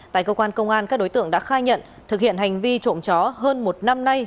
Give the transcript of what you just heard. tại công an các đối tượng đã khai nhận thực hiện hành vi trộn chó hơn một năm nay